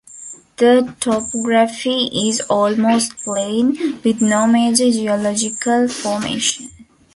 The topography is almost plain, with no major geological formation.